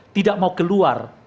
tidak mau keluar